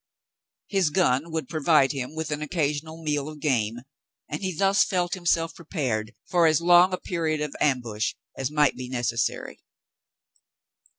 His gun would provide him. with an occasional meal of game, and he thus felt himself prepared for as long a period of ambush as might be necessary.